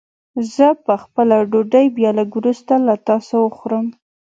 زه به خپله ډوډۍ بيا لږ وروسته له تاسو وخورم.